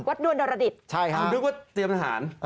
วัดนวรดิษฐ์ใช่ครับคือวัดเตรียมสถาน